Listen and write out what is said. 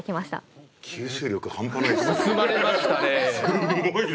すごいな！